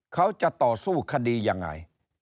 เขาจะต่อสู้คดียังไง